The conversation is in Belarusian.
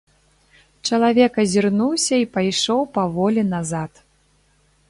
Чалавек азірнуўся і пайшоў паволі назад.